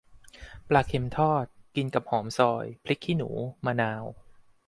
ปลาเค็มทอด กินกับหอมซอย พริกขี้หนู มะนาว